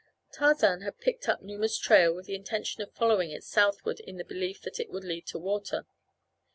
Tarzan had picked up Numa's trail with the intention of following it southward in the belief that it would lead to water.